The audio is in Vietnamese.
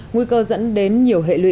nguy cơ dẫn đến nhiều hệ lụy